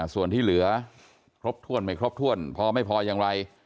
ส่วนที่เหลือครบถ้วนไม่ครบถ้วนพอไม่พออย่างไร